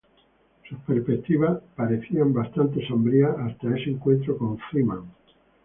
Sus perspectivas parecían bastante sombrías hasta este encuentro con Freeman.